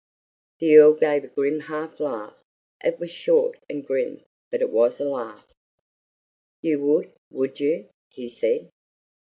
The Earl gave a grim half laugh it was short and grim, but it was a laugh. "You would, would you?" he said.